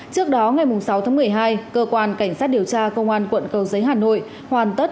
trước đó ngày sáu tháng một mươi hai cơ quan cảnh sát điều tra công an quận cầu giấy hà nội hoàn tất